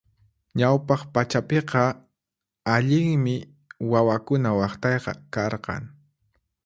Ñawpaq pachapiqa allinmi wawakuna waqtayqa karqan.